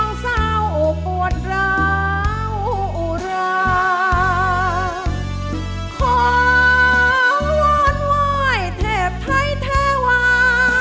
เศร้าปวดร้าวอุราขอวอนไหว้เทพไทยเทวา